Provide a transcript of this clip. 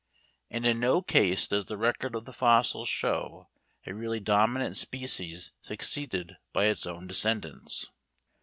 _And in no case does the record of the fossils show a really dominant species succeeded by its own descendants.